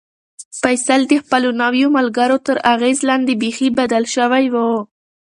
فیصل د خپلو نویو ملګرو تر اغېز لاندې بیخي بدل شوی و.